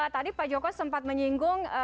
tadi pak joko sempat menyinggung